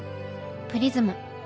「プリズム」。